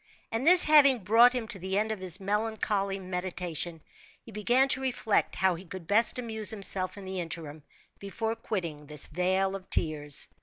And this having brought him to the end of his melancholy meditation, he began to reflect how he could best amuse himself in the interim, before quitting this vale of tears.